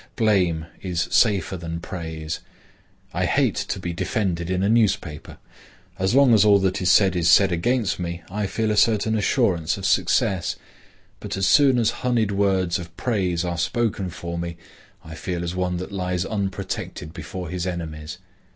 Blame is safer than praise. I hate to be defended in a newspaper. As long as all that is said is said against me, I feel a certain assurance of success. But as soon as honeyed words of praise are spoken for me I feel as one that lies unprotected before his enemies.